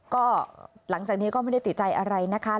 ก็หลังจากนี้ก็ไม่ได้ติดใจอะไรนะคะ